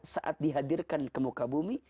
saat dihadirkan ke muka bumi